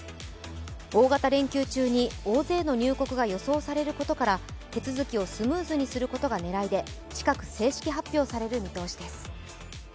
大型連休中に大勢の入国が予想されることから手続きをスムーズにすることが狙いで近く正式発表される見通しです。